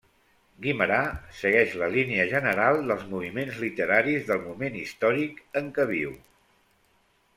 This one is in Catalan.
Guimerà segueix la línia general dels moviments literaris del moment històric en què viu.